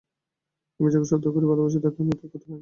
আমি যাকে শ্রদ্ধা করি বা ভালোবাসি তাকে আমি ত্যাগ করতে পারি নে।